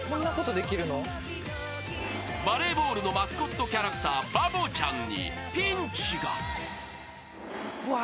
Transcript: ［バレーボールのマスコットキャラクターバボちゃんにピンチが］